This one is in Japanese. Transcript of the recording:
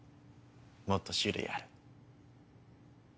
もっと種類ある。